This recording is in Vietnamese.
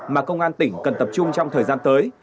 mà công an tỉnh cần tập trung trong thời gian tới